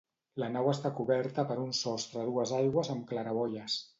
La nau està coberta per un sostre a dues aigües amb claraboies.